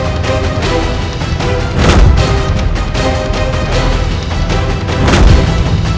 aku harus menggunakan ajem pabuk kasku